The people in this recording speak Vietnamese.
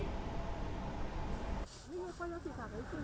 đây là một trong bốn điểm bán hàng lưu động